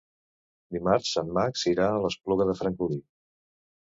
Dimarts en Max irà a l'Espluga de Francolí.